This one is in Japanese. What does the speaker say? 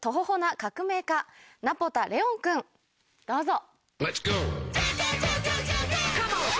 どうぞ。